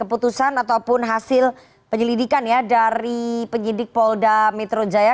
keputusan ataupun hasil penyelidikan ya dari penyidik polda metro jaya